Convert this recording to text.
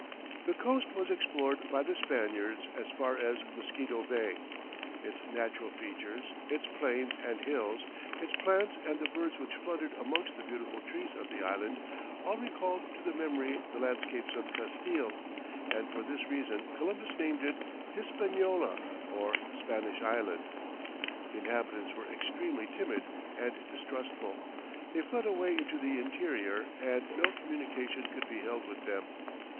The coast was explored by the Spaniards as far as Mosquito Bay; its natural features, its plains and hills, its plants and the birds which fluttered amongst the beautiful trees of the island, all recalled to the memory the landscapes of Castille, and for this reason Columbus named it Hispaniola, or Spanish Island. The inhabitants were extremely timid and distrustful; they fled away into the interior and no communication could be held with them.